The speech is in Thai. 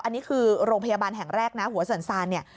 อันนี้คือโรงพยาบาลแห่งแรกนะหัวสันซานเนี่ย